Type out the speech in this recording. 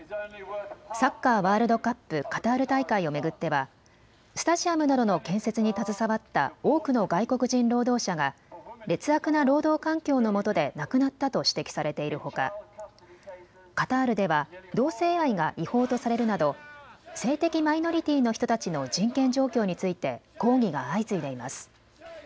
サッカーワールドカップカタール大会を巡っては、スタジアムなどの建設に携わった多くの外国人労働者が劣悪な労働環境のもとで亡くなったと指摘されているほかカタールでは同性愛が違法とされるなど性的マイノリティーの人たちの人権状況について抗議が相次いでいます。